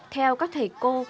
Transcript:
theo các thầy cô